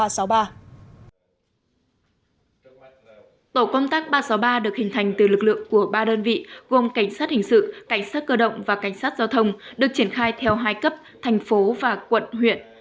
tổ công tác ba trăm sáu mươi ba được hình thành từ lực lượng của ba đơn vị gồm cảnh sát hình sự cảnh sát cơ động và cảnh sát giao thông được triển khai theo hai cấp thành phố và quận huyện